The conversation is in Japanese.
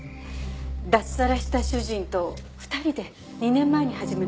脱サラした主人と２人で２年前に始めました。